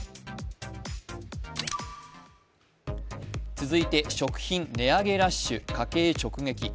続いて食品値上げラッシュ、家計直撃。